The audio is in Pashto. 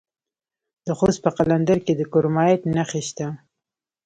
د خوست په قلندر کې د کرومایټ نښې شته.